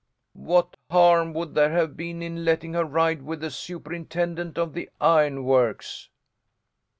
"What harm would there have been in letting her ride with the superintendent of the ironworks?"